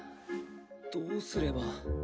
どうすれば。